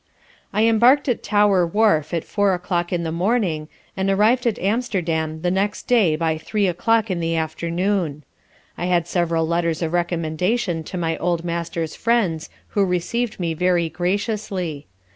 I embarked at Tower wharf at four o'clock in the morning, and arriv'd at Amsterdam the next day by three o'clock in the afternoon. I had several letters of recommendation to my old master's friends, who receiv'd me very graciously.